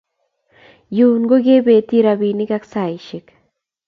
Yun ko kepeti rabinik ak saishek